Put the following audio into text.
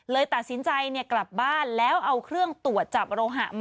เลยตัดสินใจกลับบ้านแล้วเอาเครื่องตรวจจับโลหะมา